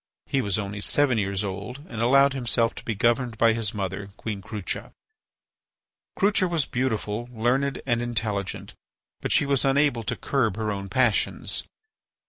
He was only seven years old and allowed himself to be governed by his mother, Queen Crucha. Crucha was beautiful, learned, and intelligent; but she was unable to curb her own passions.